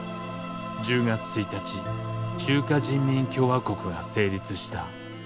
１０月１日中華人民共和国が成立した。